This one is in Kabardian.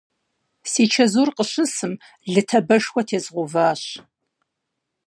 Си чэзур къыщысым, лы тебэшхуэ тезгъэуващ.